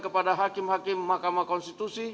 kepada hakim hakim mahkamah konstitusi